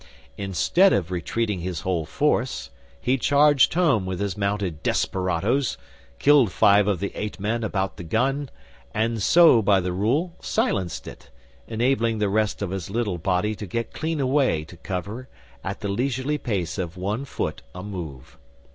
Instead of retreating his whole force, he charged home with his mounted desperadoes, killed five of the eight men about the gun, and so by the rule silenced it, enabling the rest of his little body to get clean away to cover at the leisurely pace of one foot a move.